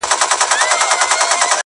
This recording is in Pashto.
لکه پتڼ وزر مي وړمه د سره اور تر کلي-